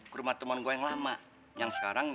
ke rumah teman gue yang lama yang sekarang